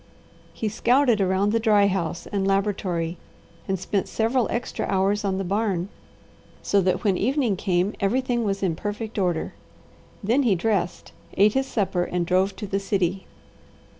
He scouted around the dry house and laboratory, and spent several extra hours on the barn so that when evening came everything was in perfect order. Then he dressed, ate his supper and drove to the city.